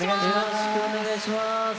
よろしくお願いします。